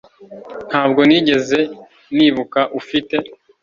Ntabwo nigeze nibuka ufite